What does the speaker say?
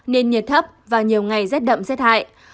nên nhiệt thấp và nhiều ngày rét đậm rét hại